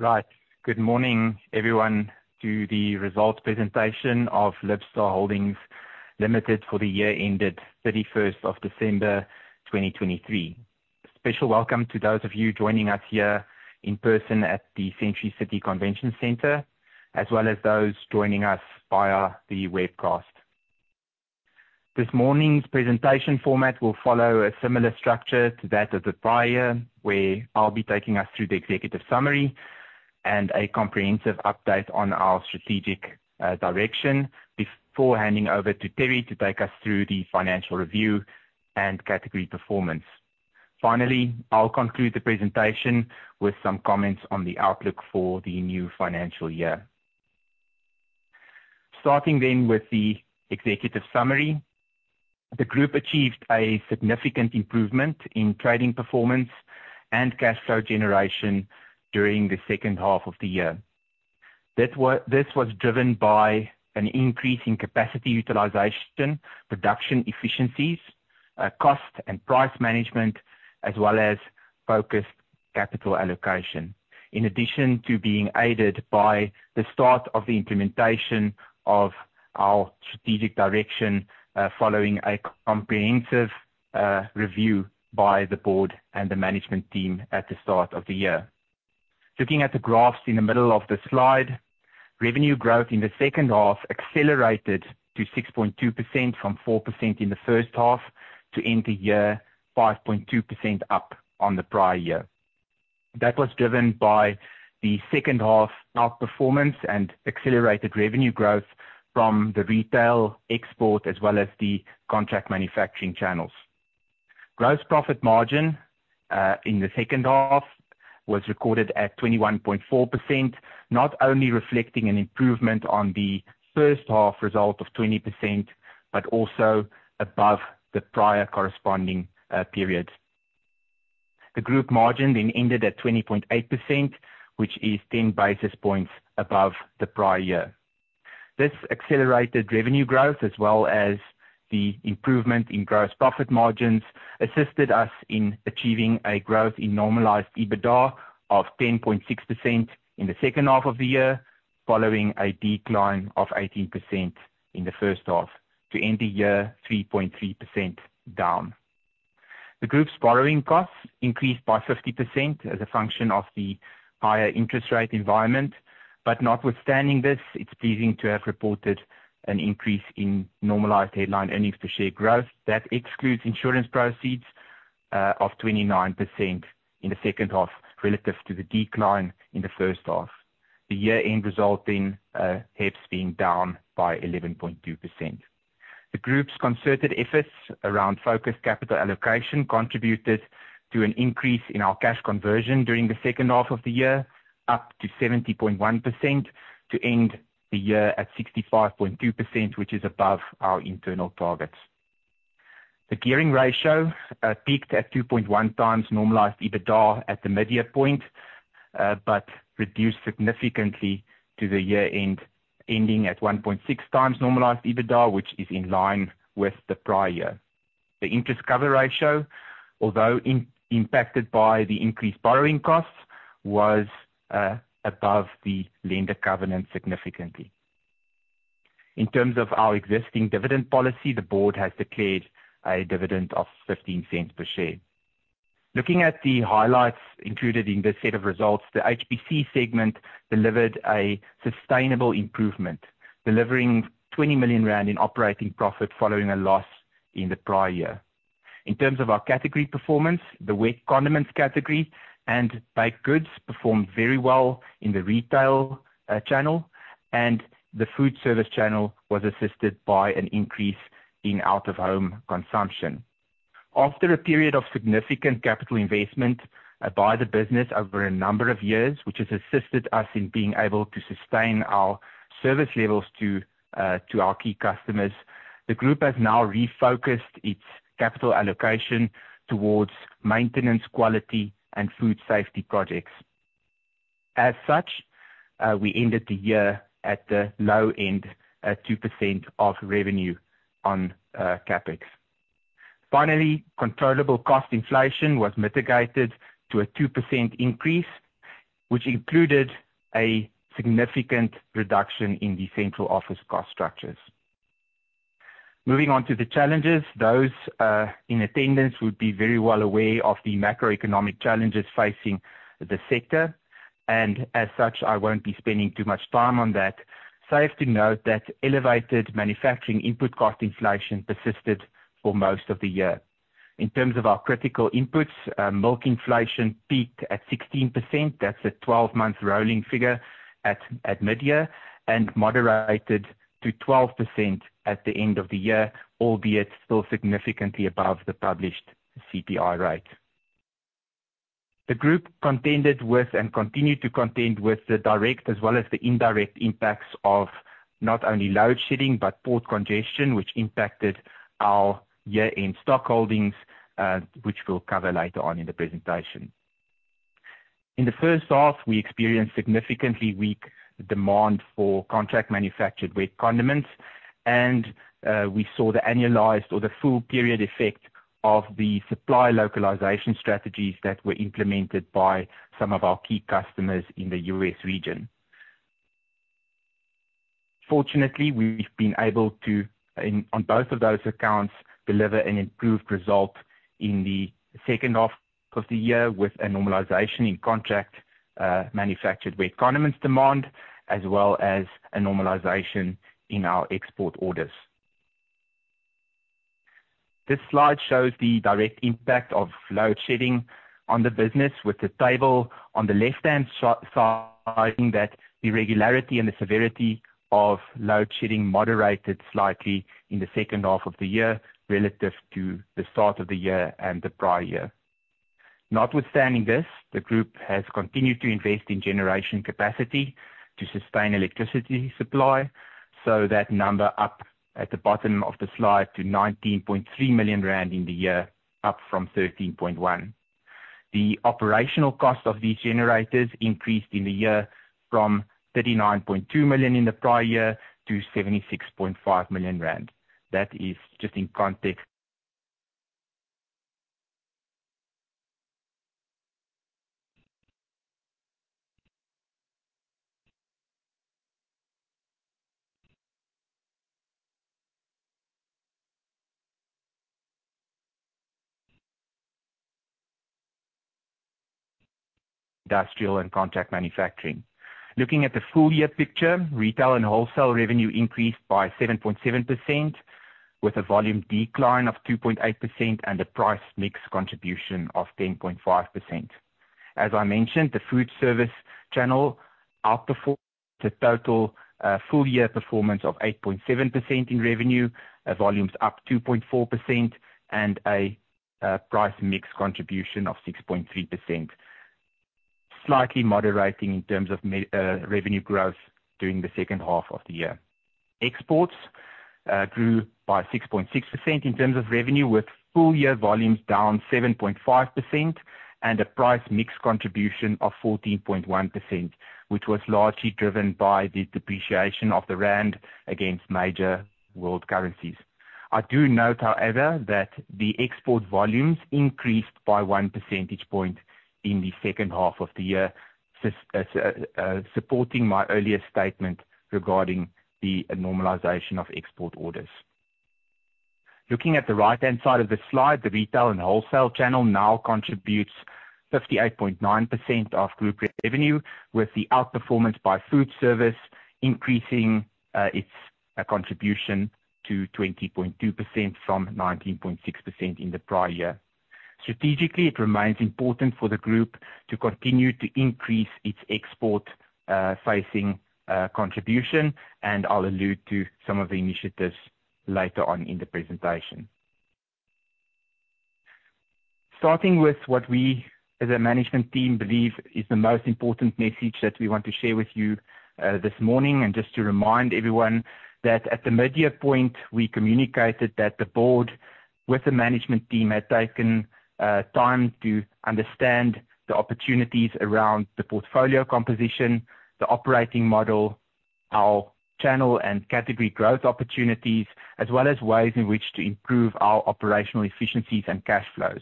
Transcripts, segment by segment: Right. Good morning everyone to the results presentation of Libstar Holdings Limited for the year ended 31st of December 2023. Special welcome to those of you joining us here in person at the Century City Convention Center, as well as those joining us via the webcast. This morning's presentation format will follow a similar structure to that of the prior, where I will be taking us through the executive summary and a comprehensive update on our strategic direction before handing over to Terri to take us through the financial review and category performance. Finally, I will conclude the presentation with some comments on the outlook for the new financial year. Starting with the executive summary. The group achieved a significant improvement in trading performance and cash flow generation during the second half of the year This was driven by an increase in capacity utilization, production efficiencies, cost and price management, as well as focused capital allocation. In addition to being aided by the start of the implementation of our strategic direction, following a comprehensive review by the board and the management team at the start of the year. Looking at the graphs in the middle of the slide, revenue growth in the second half accelerated to 6.2% from 4% in the first half to end the year 5.2% up on the prior year. That was driven by the second half outperformance and accelerated revenue growth from the retail export, as well as the contract manufacturing channels. Gross profit margin in the second half was recorded at 21.4%, not only reflecting an improvement on the first half result of 20%, but also above the prior corresponding periods. The group margin ended at 20.8%, which is 10 basis points above the prior year. This accelerated revenue growth, as well as the improvement in gross profit margins, assisted us in achieving a growth in normalized EBITDA of 10.6% in the second half of the year, following a decline of 18% in the first half to end the year 3.3% down. The group's borrowing costs increased by 50% as a function of the higher interest rate environment. Notwithstanding this, it is pleasing to have reported an increase in normalized headline earnings per share growth that excludes insurance proceeds of 29% in the second half, relative to the decline in the first half. The year-end resulting HEPS being down by 11.2%. The group's concerted efforts around focused capital allocation contributed to an increase in our cash conversion during the second half of the year, up to 70.1%, to end the year at 65.2%, which is above our internal targets. The gearing ratio peaked at 2.1x normalized EBITDA at the mid-year point, but reduced significantly to the year end, ending at 1.6x normalized EBITDA, which is in line with the prior year. The interest cover ratio, although impacted by the increased borrowing costs, was above the lender covenant significantly. In terms of our existing dividend policy, the board has declared a dividend of 0.15 per share. Looking at the highlights included in this set of results, the HPC segment delivered a sustainable improvement, delivering 20 million rand in operating profit following a loss in the prior year. In terms of our category performance, the wet condiments category and baked goods performed very well in the retail channel, and the food service channel was assisted by an increase in out-of-home consumption. After a period of significant capital investment by the business over a number of years, which has assisted us in being able to sustain our service levels to our key customers. The group has now refocused its capital allocation towards maintenance, quality and food safety projects. As such, we ended the year at the low end at 2% of revenue on CapEx. Finally, controllable cost inflation was mitigated to a 2% increase, which included a significant reduction in the central office cost structures. Moving on to the challenges. Those in attendance would be very well aware of the macroeconomic challenges facing the sector, and as such, I won't be spending too much time on that. Safe to note that elevated manufacturing input cost inflation persisted for most of the year. In terms of our critical inputs, milk inflation peaked at 16%. That's a 12-month rolling figure at mid-year and moderated to 12% at the end of the year, albeit still significantly above the published CPI rate. The group contended with and continued to contend with the direct as well as the indirect impacts of not only load shedding, but port congestion, which impacted our year-end stock holdings, which we'll cover later on in the presentation. In the first half, we experienced significantly weak demand for contract manufactured wet condiments. We saw the annualized or the full period effect of the supply localization strategies that were implemented by some of our key customers in the U.S. region. Fortunately, we've been able to, on both of those accounts, deliver an improved result in the second half of the year with a normalization in contract manufactured wet condiments demand, as well as a normalization in our export orders. This slide shows the direct impact of load shedding on the business, with the table on the left-hand side showing that the irregularity and the severity of load shedding moderated slightly in the second half of the year relative to the start of the year and the prior year. Notwithstanding this, the group has continued to invest in generation capacity to sustain electricity supply. So that number up at the bottom of the slide to 19.3 million rand in the year, up from 13.1 million. The operational cost of these generators increased in the year from 39.2 million in the prior year to 76.5 million rand. That is just in context. Industrial and contract manufacturing. Looking at the full year picture, retail and wholesale revenue increased by 7.7%, with a volume decline of 2.8% and a price mix contribution of 10.5%. As I mentioned, the food service channel outperformed the total full-year performance of 8.7% in revenue, volumes up 2.4%, and a price mix contribution of 6.3%, slightly moderating in terms of revenue growth during the second half of the year. Exports grew by 6.6% in terms of revenue, with full year volumes down 7.5% and a price mix contribution of 14.1%, which was largely driven by the depreciation of the rand against major world currencies. I do note, however, that the export volumes increased by one percentage point in the second half of the year, supporting my earlier statement regarding the normalization of export orders. Looking at the right-hand side of the slide, the retail and wholesale channel now contributes 58.9% of group revenue, with the outperformance by food service increasing its contribution to 20.2% from 19.6% in the prior year. Strategically, it remains important for the group to continue to increase its export-facing contribution. I'll allude to some of the initiatives later on in the presentation. Starting with what we as a management team believe is the most important message that we want to share with you this morning. Just to remind everyone that at the midyear point, we communicated that the board with the management team had taken time to understand the opportunities around the portfolio composition, the operating model, our channel and category growth opportunities, as well as ways in which to improve our operational efficiencies and cash flows.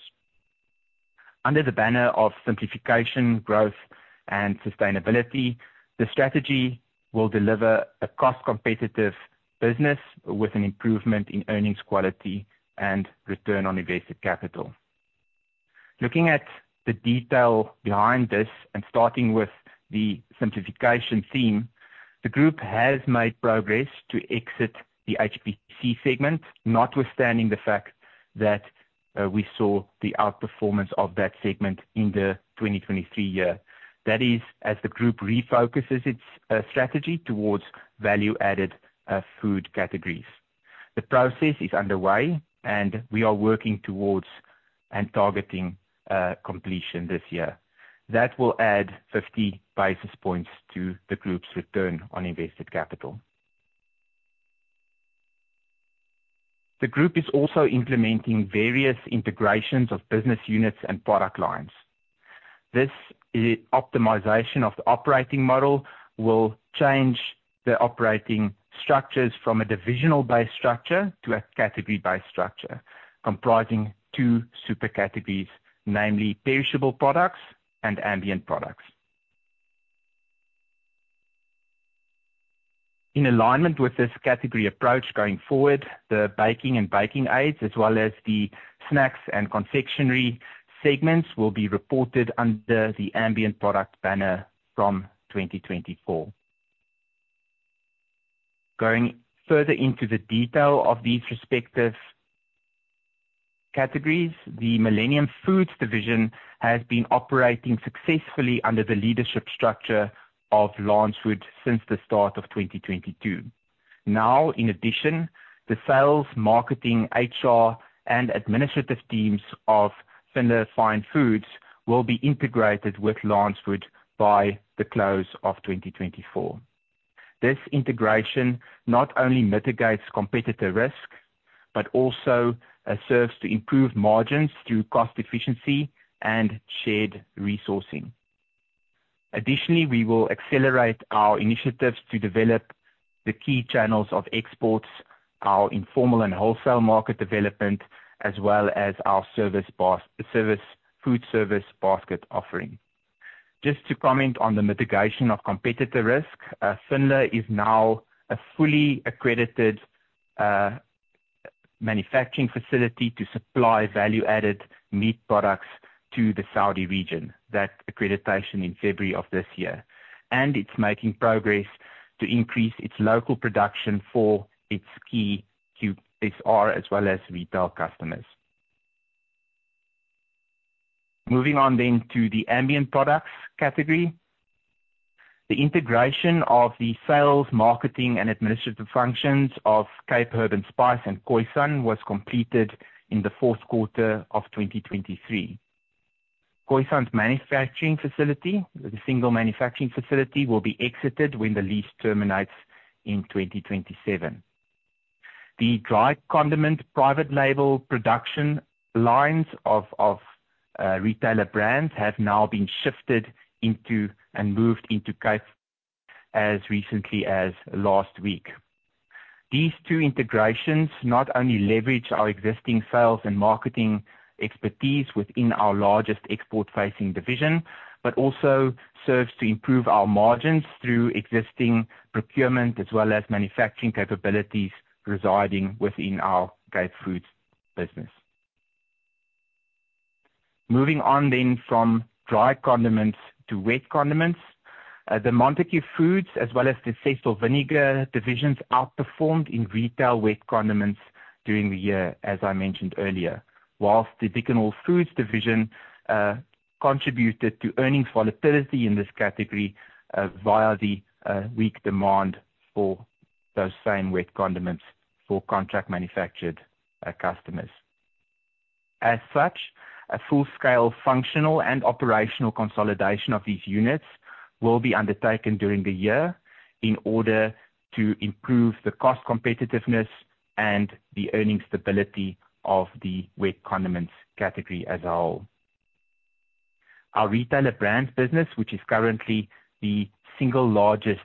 Under the banner of simplification, growth, and sustainability, the strategy will deliver a cost-competitive business with an improvement in earnings quality and return on invested capital. Looking at the detail behind this and starting with the simplification theme, the group has made progress to exit the HPC segment, notwithstanding the fact that we saw the outperformance of that segment in the 2023 year. That is, as the group refocuses its strategy towards value-added food categories. The process is underway. We are working towards and targeting completion this year. That will add 50 basis points to the group's return on invested capital. The group is also implementing various integrations of business units and product lines. This optimization of the operating model will change the operating structures from a divisional-based structure to a category-based structure comprising two super categories, namely Perishable Products and Ambient Products. In alignment with this category approach going forward, the baking and baking aids, as well as the snacks and confectionery segments, will be reported under the Ambient Product banner from 2024. Going further into the detail of these respective categories, the Millennium Foods division has been operating successfully under the leadership structure of LANCEWOOD since the start of 2022. Now, in addition, the sales, marketing, HR, and administrative teams of Finlar Fine Foods will be integrated with LANCEWOOD by the close of 2024. This integration not only mitigates competitive risk but also serves to improve margins through cost efficiency and shared resourcing. We will accelerate our initiatives to develop the key channels of exports, our informal and wholesale market development, as well as our food service basket offering. Just to comment on the mitigation of competitor risk, Finlar is now a fully accredited manufacturing facility to supply value-added meat products to the Saudi region. That accreditation in February of this year. It's making progress to increase its local production for its key QSR, as well as retail customers. Moving on to the Ambient Products category. The integration of the sales, marketing, and administrative functions of Cape Herb & Spice and Khoisan was completed in the fourth quarter of 2023. Khoisan's manufacturing facility, the single manufacturing facility, will be exited when the lease terminates in 2027. The dry condiment private label production lines of Retailer Brands have now been shifted into and moved into Cape as recently as last week. These two integrations not only leverage our existing sales and marketing expertise within our largest export-facing division, but also serves to improve our margins through existing procurement as well as manufacturing capabilities residing within our Cape Foods business. Moving on from dry condiments to wet condiments. The Montagu Foods, as well as the Cecil Vinegar Works divisions, outperformed in retail wet condiments during the year, as I mentioned earlier. Whilst the Dickon Hall Foods division contributed to earnings volatility in this category via the weak demand for those same wet condiments for contract manufactured customers. As such, a full-scale functional and operational consolidation of these units will be undertaken during the year in order to improve the cost competitiveness and the earning stability of the wet condiments category as a whole. Our Retailer Brands business, which is currently the single largest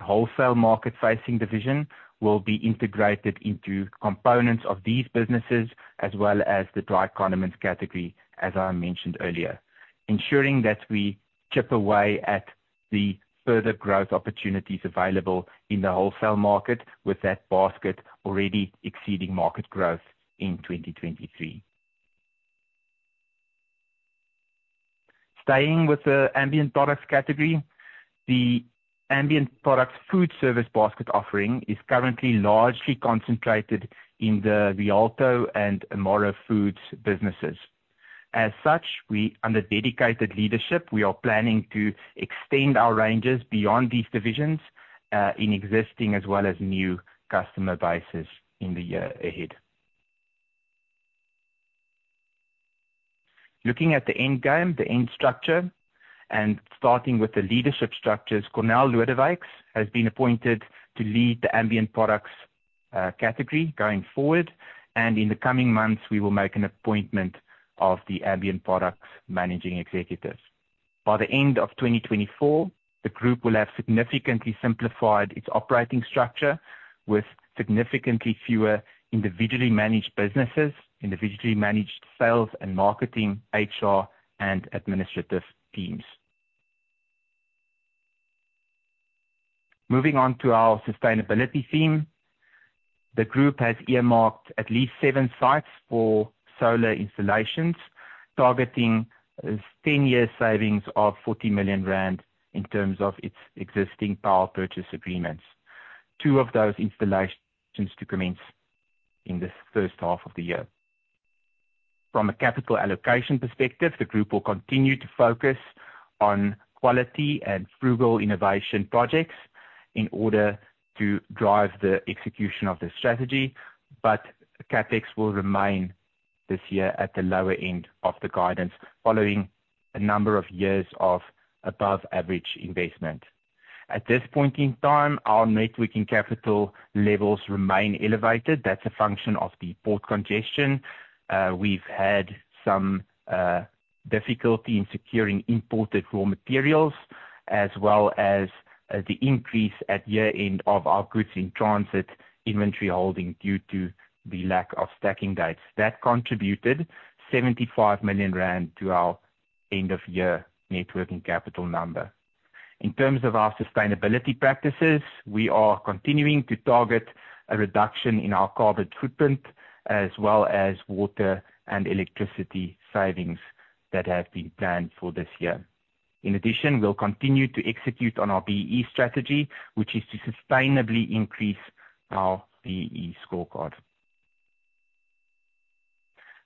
wholesale market-facing division, will be integrated into components of these businesses as well as the dry condiments category, as I mentioned earlier, ensuring that we chip away at the further growth opportunities available in the wholesale market with that basket already exceeding market growth in 2023. Staying with the Ambient Products category, the Ambient Products food service basket offering is currently largely concentrated in the Rialto and Amaro Foods businesses. As such, under dedicated leadership, we are planning to extend our ranges beyond these divisions, in existing as well as new customer bases in the year ahead. Looking at the end game, the end structure, and starting with the leadership structures, Cornél Lodewyks has been appointed to lead the Ambient Products category going forward, and in the coming months, we will make an appointment of the Ambient Products managing executives. By the end of 2024, the group will have significantly simplified its operating structure with significantly fewer individually managed businesses, individually managed sales and marketing, HR, and administrative teams. Moving on to our sustainability theme. The group has earmarked at least seven sites for solar installations, targeting 10-year savings of 40 million rand in terms of its existing power purchase agreements. Two of those installations to commence in this first half of the year. From a capital allocation perspective, the group will continue to focus on quality and frugal innovation projects in order to drive the execution of the strategy, but CapEx will remain this year at the lower end of the guidance, following a number of years of above-average investment. At this point in time, our networking capital levels remain elevated. That's a function of the port congestion. We've had some difficulty in securing imported raw materials as well as the increase at year-end of our goods-in-transit inventory holding due to the lack of stacking dates. That contributed 75 million rand to our end-of-year networking capital number. In terms of our sustainability practices, we are continuing to target a reduction in our carbon footprint as well as water and electricity savings that have been planned for this year. In addition, we'll continue to execute on our BEE strategy, which is to sustainably increase our BEE scorecard.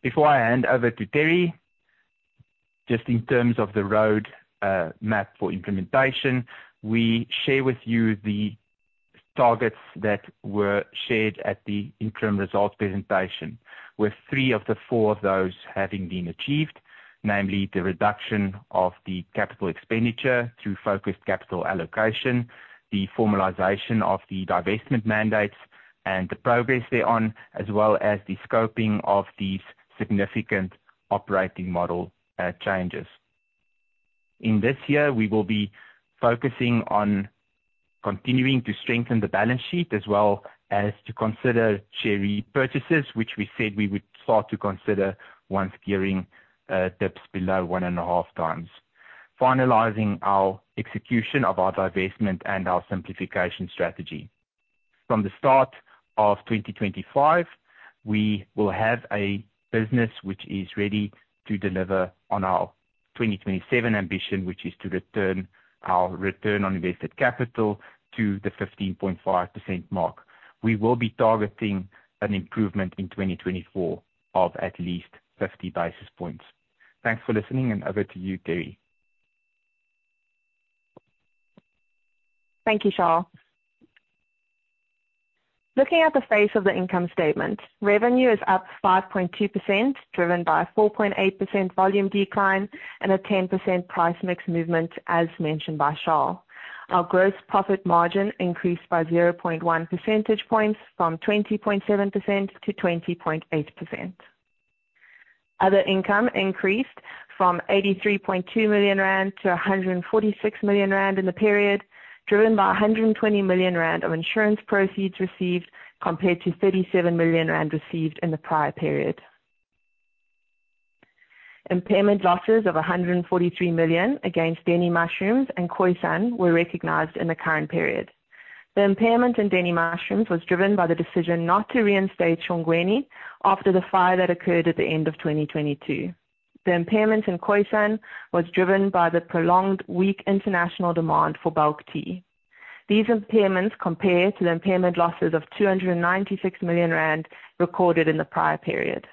Before I hand over to Terri, just in terms of the road map for implementation, we share with you the targets that were shared at the interim results presentation, with three of the four of those having been achieved, namely the reduction of the capital expenditure through focused capital allocation, the formalization of the divestment mandates. The progress there on, as well as the scoping of these significant operating model changes. In this year, we will be focusing on continuing to strengthen the balance sheet as well as to consider share repurchases, which we said we would start to consider once gearing dips below 1.5x, finalizing our execution of our divestment and our simplification strategy. From the start of 2025, we will have a business which is ready to deliver on our 2027 ambition, which is to return our return on invested capital to the 15.5% mark. We will be targeting an improvement in 2024 of at least 50 basis points. Thanks for listening. Over to you, Terri. Thank you, Charl. Looking at the face of the income statement, revenue is up 5.2%, driven by a 4.8% volume decline and a 10% price mix movement, as mentioned by Charl. Our gross profit margin increased by 0.1 percentage points from 20.7% to 20.8%. Other income increased from 83.2 million rand to 146 million rand in the period, driven by 120 million rand of insurance proceeds received compared to 37 million rand received in the prior period. Impairment losses of 143 million against Denny Mushrooms and Khoisan were recognized in the current period. The impairment in Denny Mushrooms was driven by the decision not to reinstate Shongweni after the fire that occurred at the end of 2022. The impairment in Khoisan was driven by the prolonged weak international demand for bulk tea. These impairments compare to the impairment losses of 296 million rand recorded in the prior period.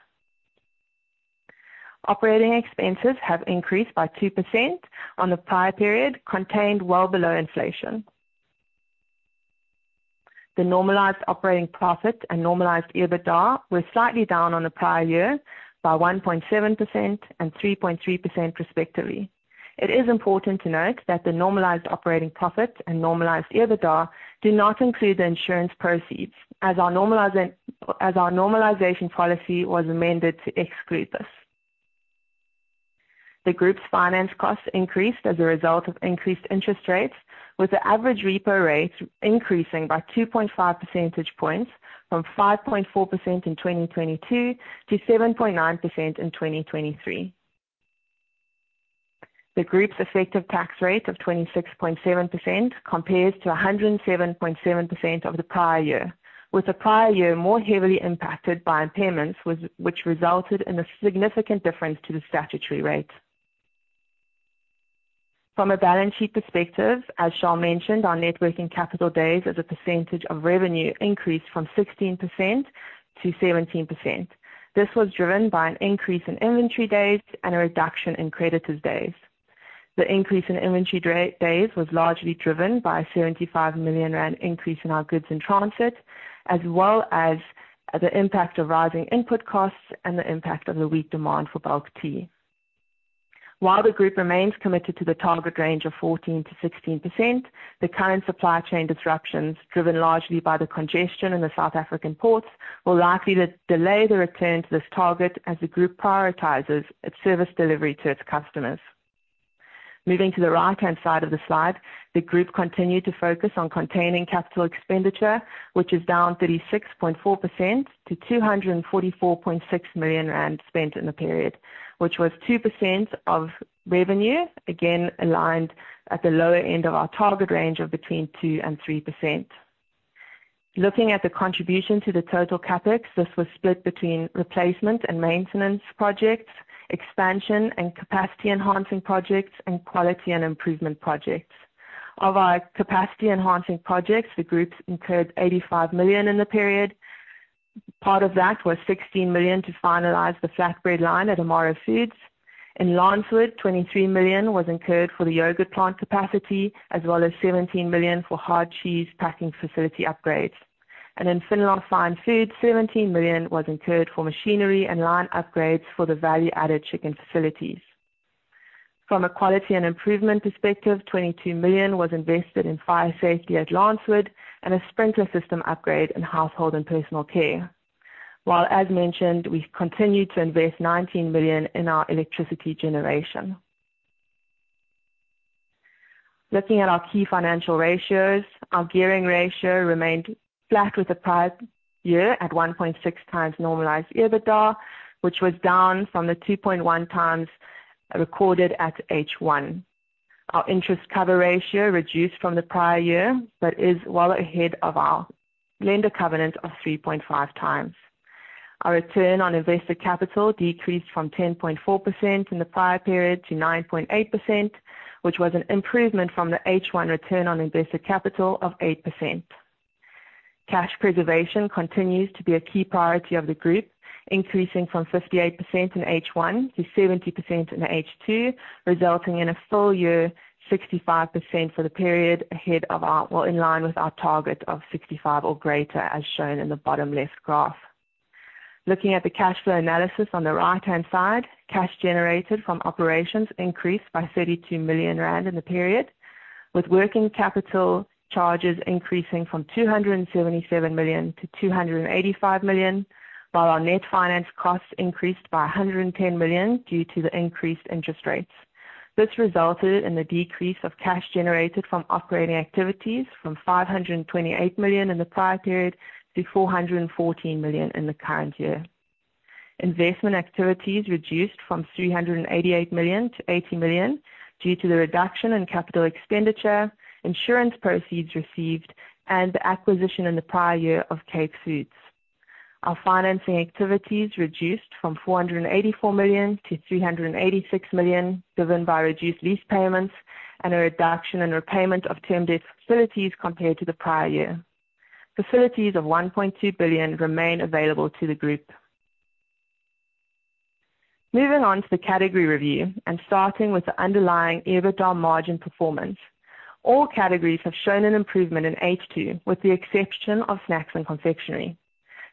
Operating expenses have increased by 2% on the prior period, contained well below inflation. The normalized operating profit and normalized EBITDA were slightly down on the prior year by 1.7% and 3.3% respectively. It is important to note that the normalized operating profit and normalized EBITDA do not include the insurance proceeds, as our normalization policy was amended to exclude this. The group's finance costs increased as a result of increased interest rates, with the average repo rate increasing by 2.5 percentage points from 5.4% in 2022 to 7.9% in 2023. The group's effective tax rate of 26.7% compares to 107.7% of the prior year, with the prior year more heavily impacted by impairments which resulted in a significant difference to the statutory rate. From a balance sheet perspective, as Charl mentioned, our net working capital days as a percentage of revenue increased from 16% to 17%. This was driven by an increase in inventory days and a reduction in creditors' days. The increase in inventory days was largely driven by a 75 million rand increase in our goods in transit, as well as the impact of rising input costs and the impact of the weak demand for bulk tea. While the group remains committed to the target range of 14%-16%, the current supply chain disruptions, driven largely by the congestion in the South African ports, will likely delay the return to this target as the group prioritizes its service delivery to its customers. Moving to the right-hand side of the slide, the group continued to focus on containing capital expenditure, which is down 36.4% to 244.6 million rand spent in the period, which was 2% of revenue, again aligned at the lower end of our target range of between 2% and 3%. Looking at the contribution to the total CapEx, this was split between replacement and maintenance projects, expansion and capacity enhancing projects, and quality and improvement projects. Of our capacity enhancing projects, the groups incurred 85 million in the period. Part of that was 16 million to finalize the flatbread line at Amaro Foods. In LANCEWOOD, 23 million was incurred for the yogurt plant capacity as well as 17 million for hard cheese packing facility upgrades. In Finlar Fine Foods, 17 million was incurred for machinery and line upgrades for the value-added chicken facilities. From a quality and improvement perspective, 22 million was invested in fire safety at LANCEWOOD and a sprinkler system upgrade in Household and Personal Care. While as mentioned, we continue to invest 19 million in our electricity generation. Looking at our key financial ratios, our gearing ratio remained flat with the prior year at 1.6x normalized EBITDA, which was down from the 2.1x recorded at H1. Our interest cover ratio reduced from the prior year, but is well ahead of our lender covenant of 3.5x. Our return on invested capital decreased from 10.4% in the prior period to 9.8%, which was an improvement from the H1 return on invested capital of 8%. Cash preservation continues to be a key priority of the group, increasing from 58% in H1 to 70% in H2, resulting in a full year 65% for the period, in line with our target of 65 or greater, as shown in the bottom left graph. Looking at the cash flow analysis on the right-hand side, cash generated from operations increased by 32 million rand in the period, with working capital charges increasing from 277 million to 285 million, while our net finance costs increased by 110 million due to the increased interest rates. This resulted in the decrease of cash generated from operating activities from 528 million in the prior period to 414 million in the current year. Investment activities reduced from 388 million to 80 million due to the reduction in capital expenditure, insurance proceeds received, and the acquisition in the prior year of Cape Foods. Our financing activities reduced from 484 million to 386 million, driven by reduced lease payments and a reduction in repayment of term debt facilities compared to the prior year. Facilities of 1.2 billion remain available to the group. Moving on to the category review and starting with the underlying EBITDA margin performance. All categories have shown an improvement in H2, with the exception of snacks and confectionery.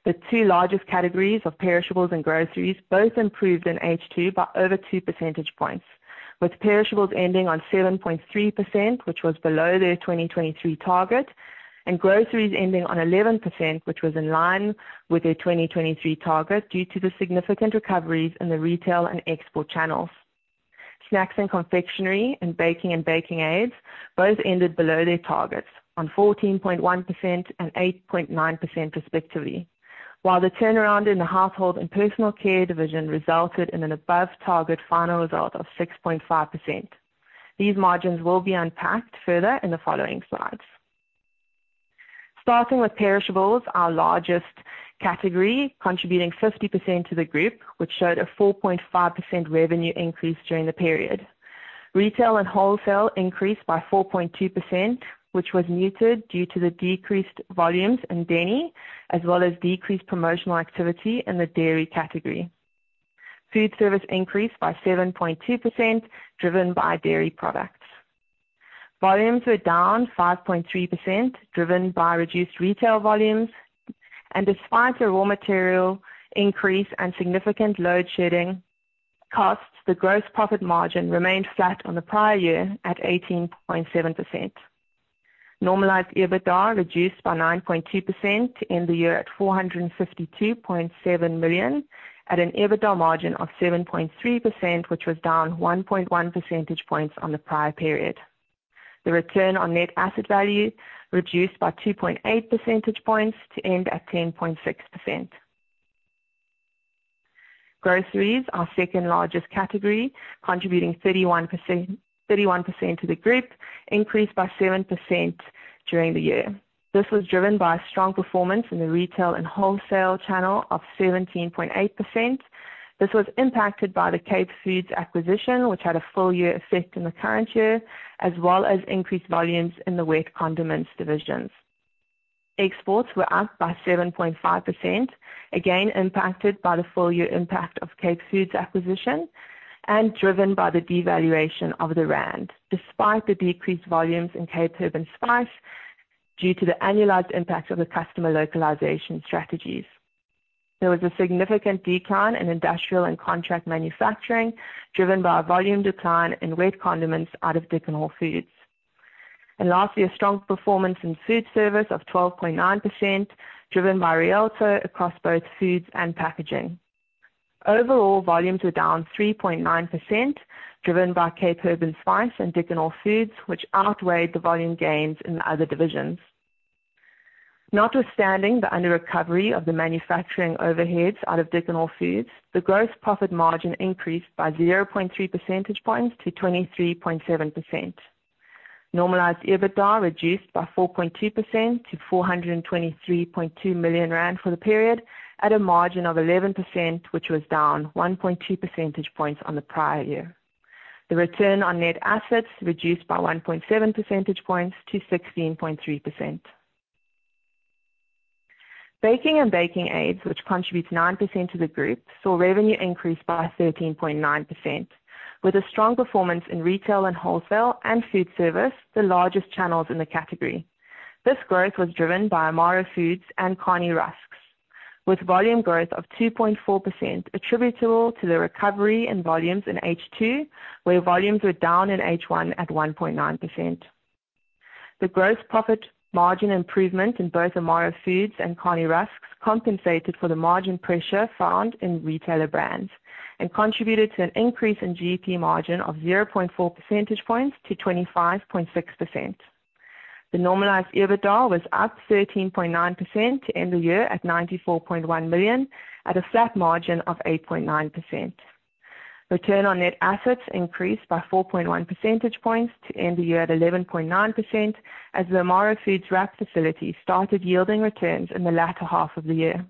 The two largest categories of perishables and groceries both improved in H2 by over two percentage points, with perishables ending on 7.3%, which was below their 2023 target, and groceries ending on 11%, which was in line with their 2023 target due to the significant recoveries in the retail and export channels. Snacks and confectionery and baking and baking aids both ended below their targets on 14.1% and 8.9% respectively, while the turnaround in the Household and Personal Care Division resulted in an above-target final result of 6.5%. These margins will be unpacked further in the following slides. Starting with perishables, our largest category contributing 50% to the group, which showed a 4.5% revenue increase during the period. Retail and wholesale increased by 4.2%, which was muted due to the decreased volumes in Denny, as well as decreased promotional activity in the dairy category. Food service increased by 7.2%, driven by dairy products. Volumes are down 5.3%, driven by reduced retail volumes and despite the raw material increase and significant load shedding costs, the gross profit margin remained flat on the prior year at 18.7%. Normalized EBITDA reduced by 9.2% to end the year at 452.7 million at an EBITDA margin of 7.3%, which was down 1.1 percentage points on the prior period. The return on net asset value reduced by 2.8 percentage points to end at 10.6%. Groceries, our second-largest category, contributing 31% to the group, increased by 7% during the year. This was driven by strong performance in the retail and wholesale channel of 17.8%. This was impacted by the Cape Foods acquisition, which had a full year effect in the current year, as well as increased volumes in the wet condiments divisions. Exports were up by 7.5%, again impacted by the full year impact of Cape Foods' acquisition and driven by the devaluation of the rand, despite the decreased volumes in Cape Herb & Spice due to the annualized impact of the customer localization strategies. There was a significant decline in industrial and contract manufacturing, driven by a volume decline in wet condiments out of Dickon Hall Foods. Lastly, a strong performance in food service of 12.9%, driven by Rialto across both foods and packaging. Overall, volumes were down 3.9%, driven by Cape Herb & Spice and Dickon Hall Foods, which outweighed the volume gains in the other divisions. Notwithstanding the under recovery of the manufacturing overheads out of Dickon Hall Foods, the gross profit margin increased by 0.3 percentage points to 23.7%. Normalized EBITDA reduced by 4.2% to 423.2 million rand for the period at a margin of 11%, which was down 1.2 percentage points on the prior year. The return on net assets reduced by 1.7 percentage points to 16.3%. Baking and baking aids, which contributes 9% to the group, saw revenue increase by 13.9%, with a strong performance in retail and wholesale and food service, the largest channels in the category. This growth was driven by Amaro Foods and Cani Rusks, with volume growth of 2.4% attributable to the recovery in volumes in H2, where volumes were down in H1 at 1.9%. The gross profit margin improvement in both Amaro Foods and Cani Rusks compensated for the margin pressure found in Retailer Brands and contributed to an increase in GP margin of 0.4 percentage points to 25.6%. The Normalized EBITDA was up 13.9% to end the year at 94.1 million at a flat margin of 8.9%. Return on net assets increased by 4.1 percentage points to end the year at 11.9% as the Amaro Foods wrap facility started yielding returns in the latter half of the year.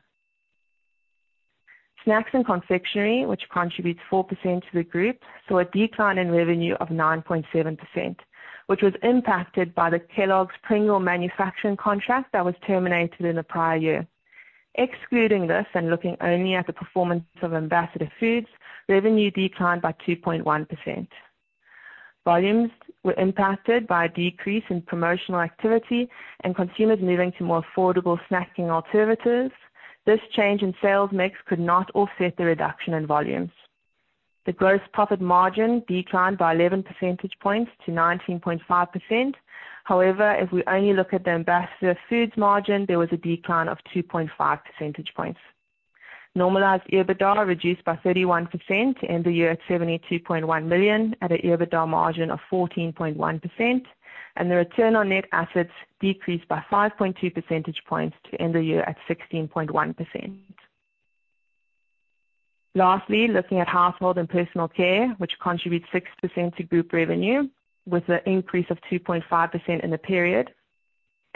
Snacks and confectionery, which contributes 4% to the group, saw a decline in revenue of 9.7%, which was impacted by the Kellogg's Pringles manufacturing contract that was terminated in the prior year. Excluding this and looking only at the performance of Ambassador Foods, revenue declined by 2.1%. Volumes were impacted by a decrease in promotional activity and consumers moving to more affordable snacking alternatives. This change in sales mix could not offset the reduction in volumes. The gross profit margin declined by 11 percentage points to 19.5%. If we only look at the Ambassador Foods margin, there was a decline of 2.5 percentage points. Normalized EBITDA reduced by 31% to end the year at 72.1 million at an EBITDA margin of 14.1%, and the return on net assets decreased by 5.2 percentage points to end the year at 16.1%. Lastly, looking at Household and Personal Care, which contributes 6% to group revenue, with an increase of 2.5% in the period.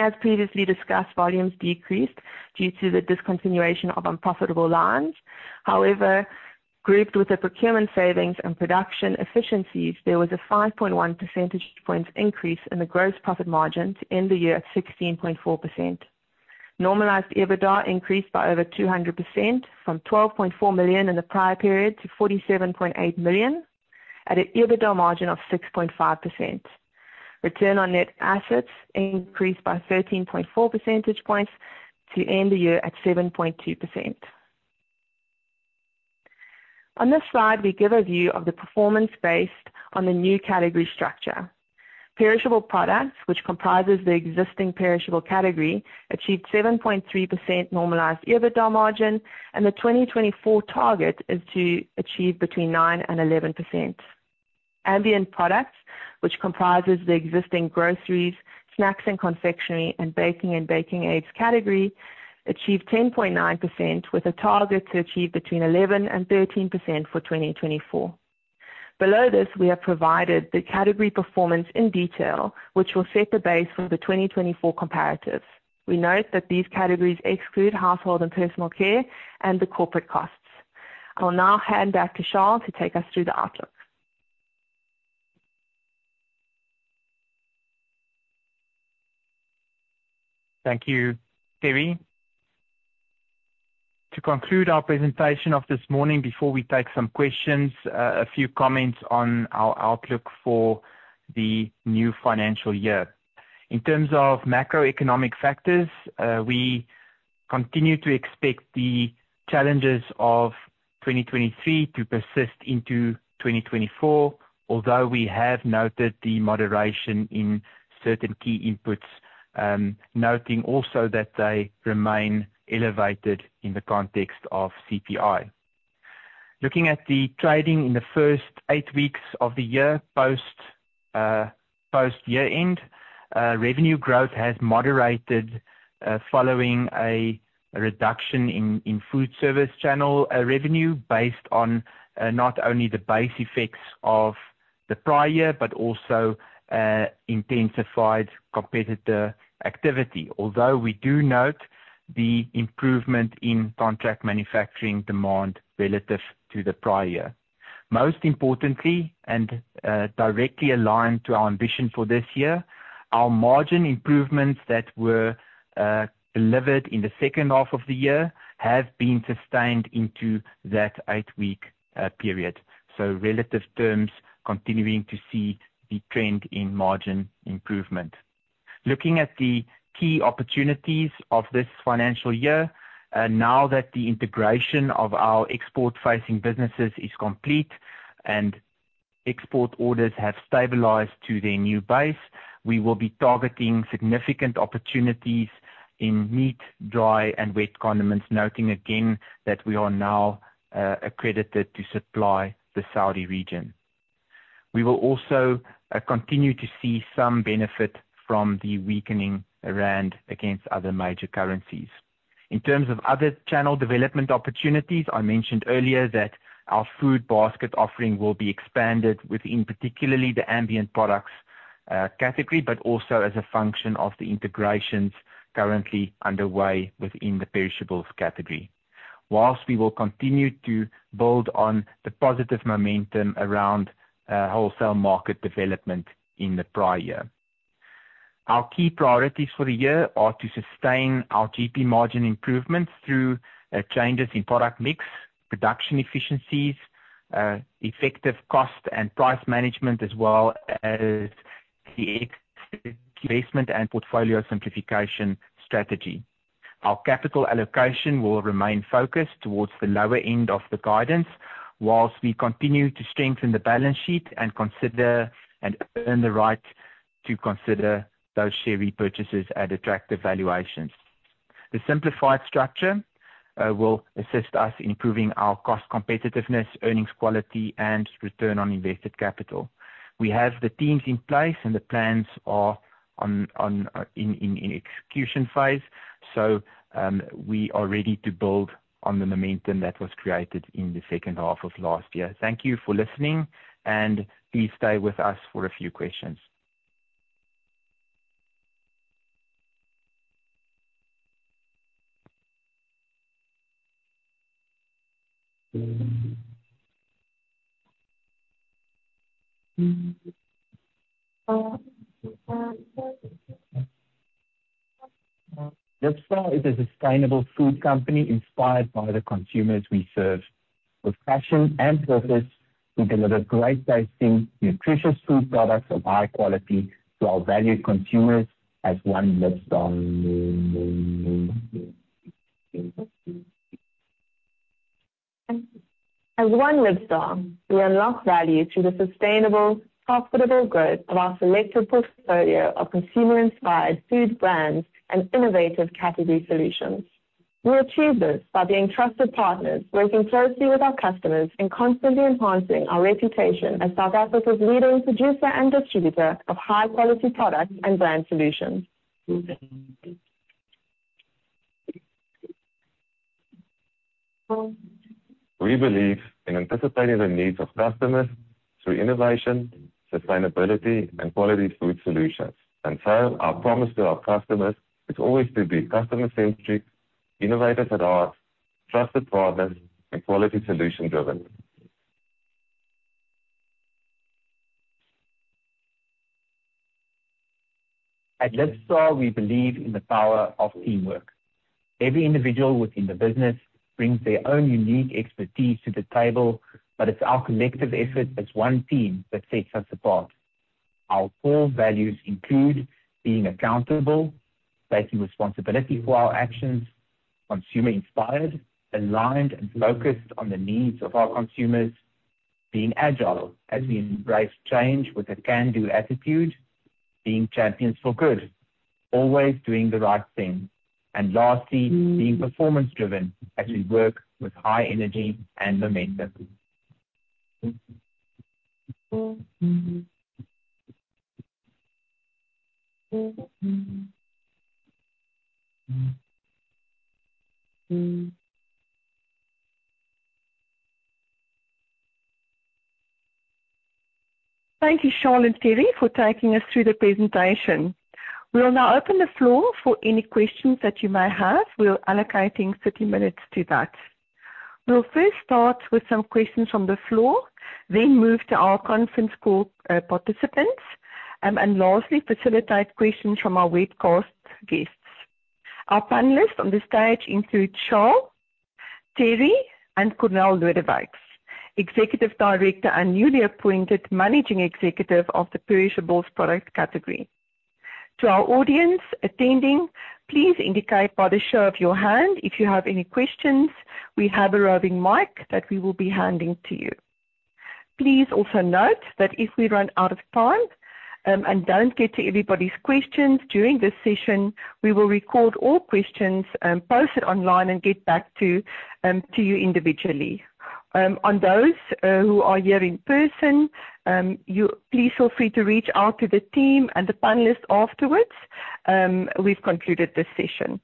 As previously discussed, volumes decreased due to the discontinuation of unprofitable lines. Grouped with the procurement savings and production efficiencies, there was a 5.1 percentage points increase in the gross profit margin to end the year at 16.4%. Normalized EBITDA increased by over 200% from 12.4 million in the prior period to 47.8 million at an EBITDA margin of 6.5%. Return on net assets increased by 13.4 percentage points to end the year at 7.2%. On this slide, we give a view of the performance based on the new category structure. Perishable Products, which comprises the existing perishable category, achieved 7.3% normalized EBITDA margin, and the 2024 target is to achieve between 9%-11%. Ambient Products, which comprises the existing groceries, snacks and confectionery, and baking and baking aids category, achieved 10.9% with a target to achieve between 11%-13% for 2024. Below this, we have provided the category performance in detail, which will set the base for the 2024 comparatives. We note that these categories exclude Household and Personal Care and the corporate costs. I'll now hand back to Charl to take us through the outlook. Thank you, Terri. To conclude our presentation of this morning before we take some questions, a few comments on our outlook for the new financial year. In terms of macroeconomic factors, we continue to expect the challenges of 2023 to persist into 2024, although we have noted the moderation in certain key inputs, noting also that they remain elevated in the context of CPI. Looking at the trading in the first eight weeks of the year post year-end, revenue growth has moderated following a reduction in food service channel revenue based on not only the base effects of the prior, but also intensified competitor activity, although we do note the improvement in contract manufacturing demand relative to the prior year. Most importantly, directly aligned to our ambition for this year, our margin improvements that were delivered in the second half of the year have been sustained into that eight-week period. Relative terms, continuing to see the trend in margin improvement. Looking at the key opportunities of this financial year, now that the integration of our export-facing businesses is complete and export orders have stabilized to their new base, we will be targeting significant opportunities in meat, dry, and wet condiments, noting again that we are now accredited to supply the Saudi region. We will also continue to see some benefit from the weakening rand against other major currencies. In terms of other channel development opportunities, I mentioned earlier that our food basket offering will be expanded within particularly the Ambient Products category, but also as a function of the integrations currently underway within the perishables category. Whilst we will continue to build on the positive momentum around wholesale market development in the prior year. Our key priorities for the year are to sustain our GP margin improvements through changes in product mix, production efficiencies, effective cost and price management, as well as the investment and portfolio simplification strategy. Our capital allocation will remain focused towards the lower end of the guidance whilst we continue to strengthen the balance sheet and earn the right to consider those share repurchases at attractive valuations. The simplified structure will assist us in improving our cost competitiveness, earnings quality, and return on invested capital. We have the teams in place, the plans are in execution phase. We are ready to build on the momentum that was created in the second half of last year. Thank you for listening, and please stay with us for a few questions. Libstar is a sustainable food company inspired by the consumers we serve. With passion and purpose, we deliver great tasting, nutritious food products of high quality to our valued consumers as one Libstar. As one Libstar, we unlock value through the sustainable, profitable growth of our selected portfolio of consumer-inspired food brands and innovative category solutions. We achieve this by being trusted partners, working closely with our customers, and constantly enhancing our reputation as South Africa's leading producer and distributor of high-quality products and brand solutions. We believe in anticipating the needs of customers through innovation, sustainability, and quality food solutions. Our promise to our customers is always to be customer-centric, innovators at heart, trusted partners, and quality solution-driven. At Libstar, we believe in the power of teamwork. Every individual within the business brings their own unique expertise to the table, but it's our collective effort as one team that sets us apart. Our core values include being accountable, taking responsibility for our actions, consumer-inspired, aligned, and focused on the needs of our consumers, being agile as we embrace change with a can-do attitude, being champions for good, always doing the right thing, and lastly, being performance-driven as we work with high energy and momentum. Thank you, Charl and Terri, for taking us through the presentation. We will now open the floor for any questions that you may have. We are allocating 30 minutes to that. We'll first start with some questions from the floor, then move to our conference call participants, and lastly, facilitate questions from our webcast guests. Our panelists on the stage include Charl, Terri, and Cornél Lodewyks, Executive Director and newly appointed Managing Executive of the Perishables product category. To our audience attending, please indicate by the show of your hand if you have any questions. We have a roving mic that we will be handing to you. Please also note that if we run out of time, and don't get to everybody's questions during this session, we will record all questions, post it online and get back to you individually. On those who are here in person, please feel free to reach out to the team and the panelists afterwards. We've concluded this session.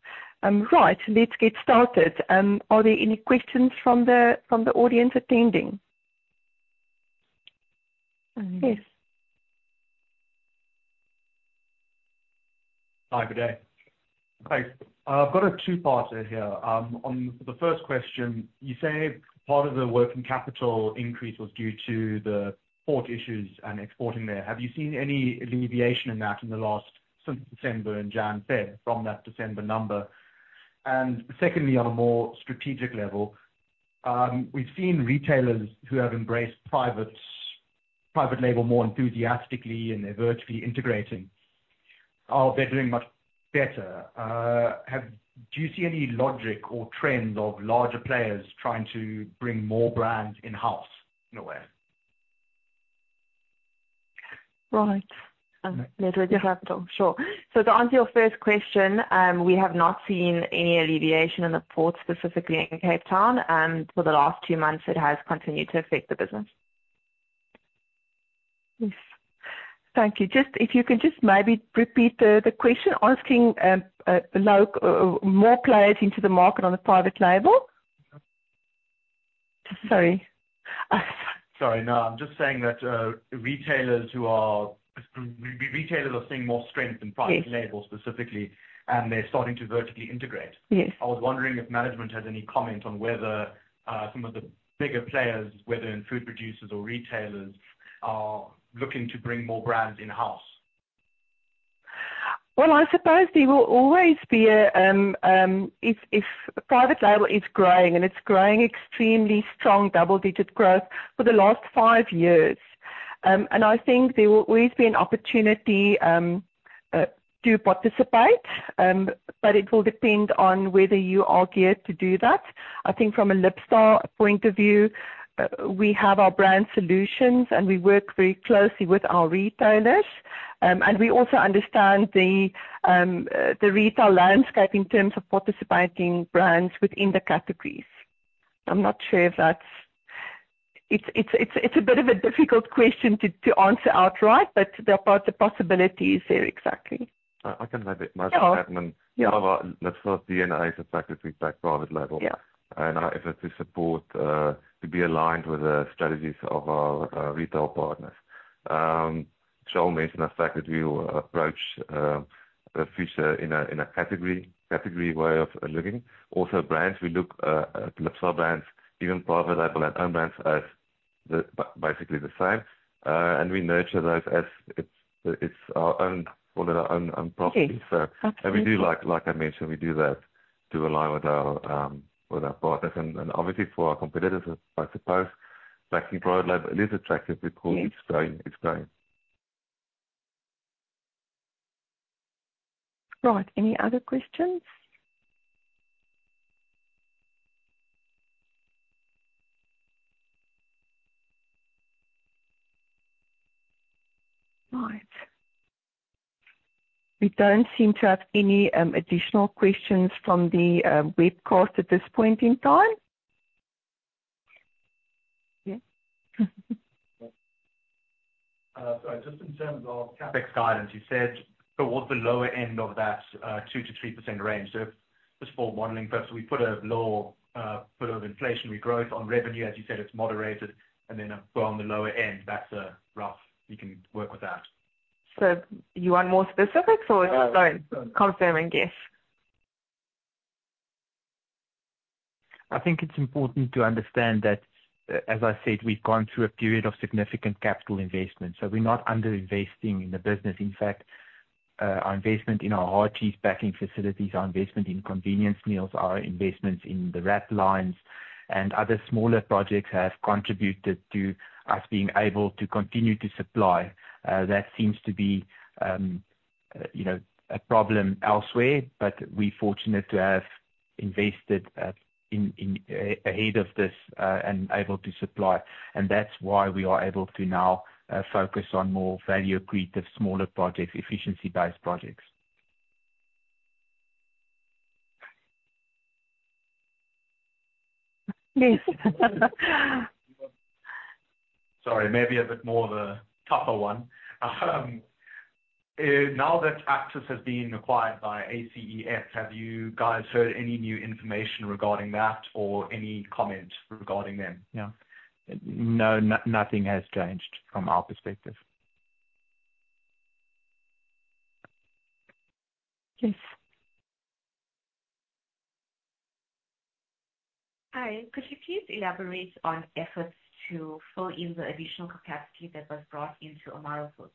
Right. Let's get started. Are there any questions from the audience attending? Yes. Hi, good day. Thanks. I've got a two-parter here. On the first question, you say part of the working capital increase was due to the port issues and exporting there. Have you seen any alleviation in that since December and January, February from that December number? Secondly, on a more strategic level, we've seen retailers who have embraced private label more enthusiastically, and they're vertically integrating. They're doing much better. Do you see any logic or trend of larger players trying to bring more brands in-house in a way? Right. Let me take that one. Sure. To answer your first question, we have not seen any alleviation in the ports, specifically in Cape Town. For the last two months, it has continued to affect the business. Yes. Thank you. If you can just maybe repeat the question, asking more players into the market on the private label? Sorry. Sorry. No, I'm just saying that retailers are seeing more strength in private label specifically, and they're starting to vertically integrate. I was wondering if management had any comment on whether some of the bigger players, whether in food producers or retailers, are looking to bring more brands in-house. Well, I suppose there will always be If private label is growing, and it is growing extremely strong, double-digit growth for the last five years. I think there will always be an opportunity to participate, but it will depend on whether you are geared to do that. I think from a Libstar point of view, we have our brand solutions, and we work very closely with our retailers. We also understand the retail landscape in terms of participating brands within the categories. It is a bit of a difficult question to answer outright, but the possibility is there exactly. I can maybe add Libstar's DNA is the fact that we back private label. Our effort to support, to be aligned with the strategies of our retail partners. Charl mentioned the fact that we will approach the future in a category way of looking. Also brands, we look at Libstar brands, even private label and own brands as basically the same. We nurture those as it is our own properties. Like I mentioned, we do that to align with our partners and obviously for our competitors, I suppose. Retailer Brands, it is attractive because it is growing. Any other questions? We don't seem to have any additional questions from the webcast at this point in time. Just in terms of CapEx guidance, you said towards the lower end of that 2%-3% range. Just for modeling purposes, we put a low bit of inflationary growth on revenue, as you said, it is moderated. Then go on the lower end, that is rough. We can work with that. You want more specifics or just confirming, yes. I think it's important to understand that, as I said, we've gone through a period of significant capital investment, we're not under-investing in the business. In fact, our investment in our hard cheese packing facilities, our investment in convenience meals, our investments in the wrap lines and other smaller projects have contributed to us being able to continue to supply. That seems to be a problem elsewhere, but we're fortunate to have invested ahead of this, and able to supply. That's why we are able to now focus on more value-accretive smaller projects, efficiency-based projects. Sorry. Maybe a bit more of a tougher one. Now that [Access] has been acquired by [ACEF], have you guys heard any new information regarding that or any comment regarding them? No. Nothing has changed from our perspective. Yes. Hi. Could you please elaborate on efforts to fill in the additional capacity that was brought into Amaro Foods?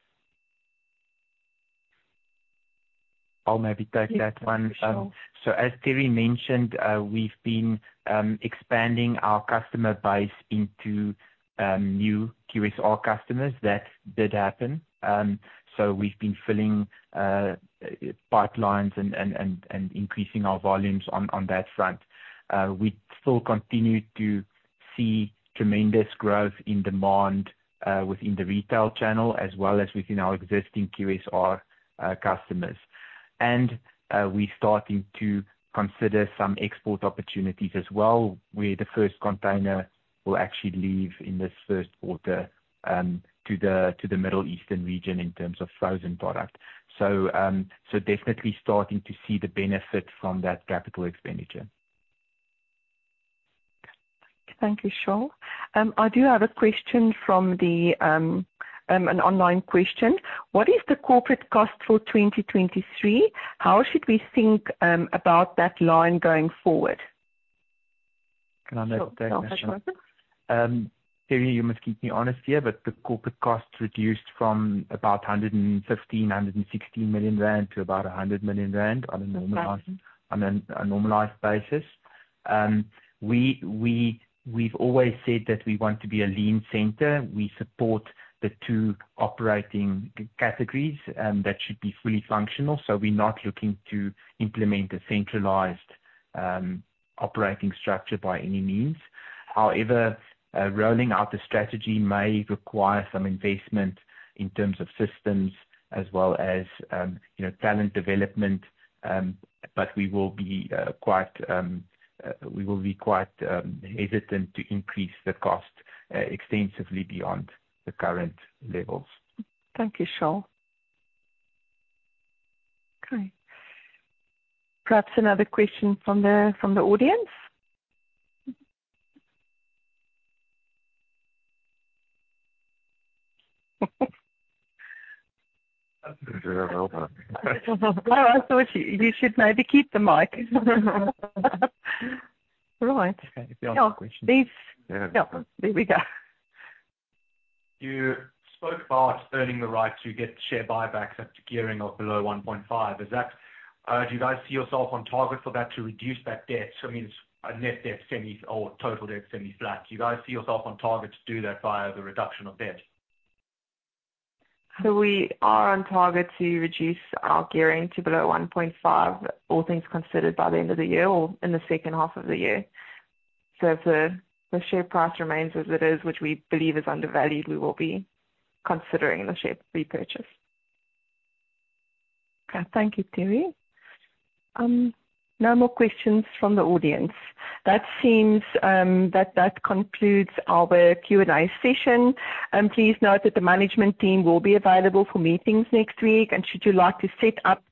As Terri mentioned, we've been expanding our customer base into new QSR customers. That did happen. We've been filling pipelines and increasing our volumes on that front. We still continue to see tremendous growth in demand within the retail channel as well as within our existing QSR customers. We're starting to consider some export opportunities as well, where the first container will actually leave in this first quarter to the Middle Eastern region in terms of frozen product. Definitely starting to see the benefit from that capital expenditure. Thank you, Charl. I do have a question from an online question. What is the corporate cost for 2023? How should we think about that line going forward? Can I take that question? Terri, you must keep me honest here, but the corporate cost reduced from about 115 million-116 million rand to about 100 million rand on a normalized basis. We've always said that we want to be a lean center. We support the two operating categories that should be fully functional. We're not looking to implement a centralized operating structure by any means. However, rolling out the strategy may require some investment in terms of systems as well as talent development. We will be quite hesitant to increase the cost extensively beyond the current levels. Thank you, Charl. Okay, perhaps another question from the audience. Well, I thought you should maybe keep the mic. All right. Okay. The other question. Yeah. There we go. You spoke about earning the right to get share buybacks at a gearing of below 1.5. Do you guys see yourself on target for that to reduce that debt? I mean, it's a net debt semi or total debt semi-flat. Do you guys see yourself on target to do that via the reduction of debt? We are on target to reduce our gearing to below 1.5, all things considered, by the end of the year or in the second half of the year. If the share price remains as it is, which we believe is undervalued, we will be considering the share repurchase. Okay. Thank you, Terri. No more questions from the audience. That seems that concludes our Q&A session. Please note that the management team will be available for meetings next week. Should you like to set up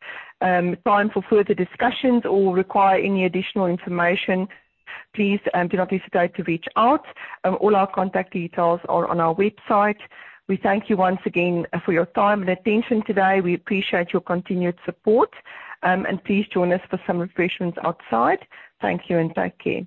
time for further discussions or require any additional information, please do not hesitate to reach out. All our contact details are on our website. We thank you once again for your time and attention today. We appreciate your continued support, and please join us for some refreshments outside. Thank you and take care.